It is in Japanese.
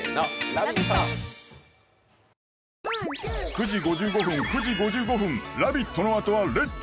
９時５５分９時５５分「ラヴィット！」の後は「レッツ！